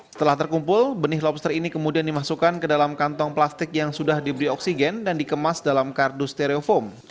setelah terkumpul benih lobster ini kemudian dimasukkan ke dalam kantong plastik yang sudah diberi oksigen dan dikemas dalam kardus stereofoam